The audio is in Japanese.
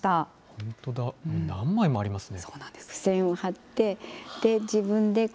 本当だ、何枚もありますね。